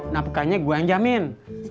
nampakannya gue anjamin